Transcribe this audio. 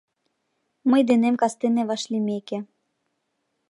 Мый денем кастене вашлиймеке